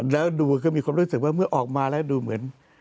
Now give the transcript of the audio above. แล้วดูก็มีความรู้สึกว่าเมื่อออกมาแล้วดูเหมือน